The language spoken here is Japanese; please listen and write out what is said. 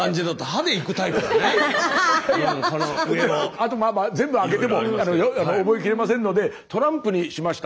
あと全部開けても覚えきれませんのでトランプにしました。